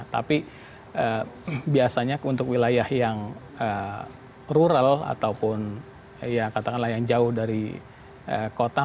tapi biasanya untuk wilayah yang rural ataupun ya katakanlah yang jauh dari kota